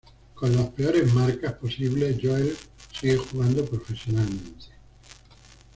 Con las peores marcas posibles, Joel sigue jugando profesionalmente.